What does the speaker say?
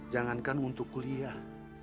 jangankan untuk kuliah